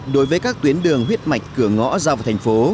đối với các tuyến đường huyết mạch cửa ngõ ra vào thành phố